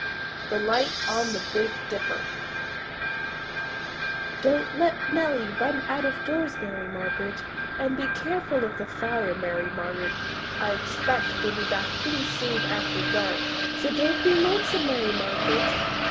The Light on the Big Dipper "Don't let Nellie run out of doors, Mary Margaret, and be careful of the fire, Mary Margaret. I expect we'll be back pretty soon after dark, so don't be lonesome, Mary Margaret."